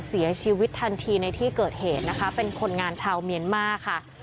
เสียชีวิตทันทีในที่เกิดเหตุนะคะเป็นคนงานชาวเมียนมาร์ค่ะ